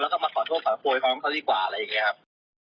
แล้วก็มาขอโทษขอโพยพร้อมเขาดีกว่าอะไรอย่างนี้ครับ